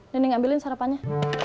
nenek ambilin sarapannya